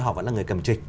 họ vẫn là người cầm trịch